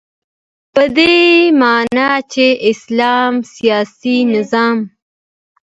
په دی معنا چی د اسلام سیاسی نظام